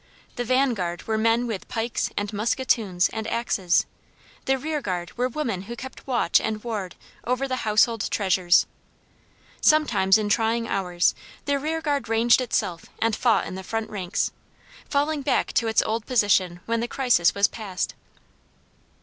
The vanguard were men with pikes and musketoons and axes; the rearguard were women who kept watch and ward over the household treasures. Sometimes in trying hours the rearguard ranged itself and fought in the front ranks, falling back to its old position when the crisis was past.